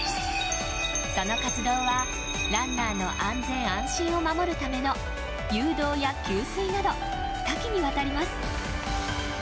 その活動はランナーの安全安心を守るための誘導や給水など多岐に渡ります。